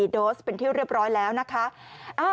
๓๗๓๐๗๐๓๔โดสเป็นที่เรียบร้อยแล้วนะคะ